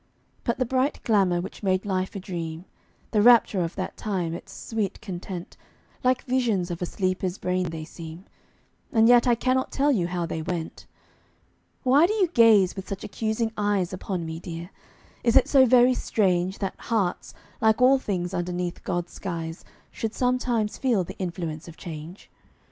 But the bright glamour which made life a dream, The rapture of that time, its sweet content, Like visions of a sleeper's brain they seem And yet I cannot tell you how they went. Why do you gaze with such accusing eyes Upon me, dear? Is it so very strange That hearts, like all things underneath God's skies Should sometimes feel the influence of change?